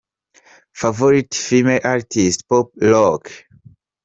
Favorite female artist — pop rock.